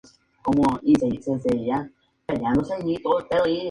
Las hojas tienen disposición alterna y contienen cristales de oxalato de calcio.